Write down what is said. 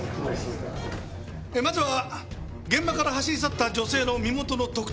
まずは現場から走り去った女性の身元の特定。